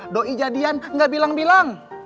doi jadian nggak bilang bilang